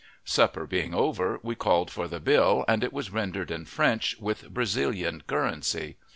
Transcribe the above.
Supper being over, we called for the bill, and it was rendered in French, with Brazilian currency.